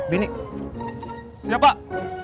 terima kasih pak